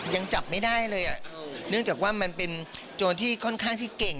ยังจับไม่ได้เลยอ่ะเนื่องจากว่ามันเป็นโจรที่ค่อนข้างที่เก่ง